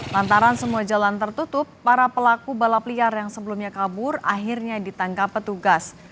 lantaran semua jalan tertutup para pelaku balap liar yang sebelumnya kabur akhirnya ditangkap petugas